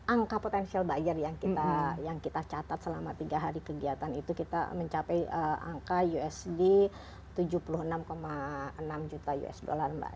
angka potential buyer yang kita catat selama tiga hari kegiatan itu kita mencapai angka usd tujuh puluh enam enam juta usd mbak